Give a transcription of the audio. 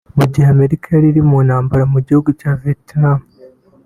Mu gihe Amerika yari mu ntambara mu gihugu cya Vietnam